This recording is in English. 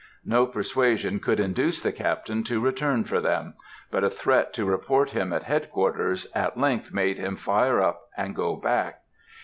No persuasion could induce the captain to return for them, but a threat to report him at head quarters, at length made him fire up and go back.